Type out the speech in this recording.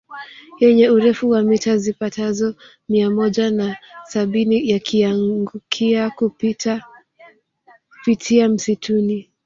Yenye urefu wa mita zipatazo mia moja na sabini yakianguka kupitia msituni